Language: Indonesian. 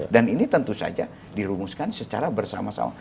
dan ini tentu saja dirumuskan secara bersama sama